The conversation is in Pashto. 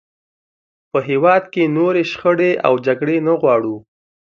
په هېواد کې نورې شخړې او جګړې نه غواړو.